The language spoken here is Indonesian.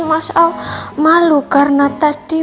mau ke makam nidih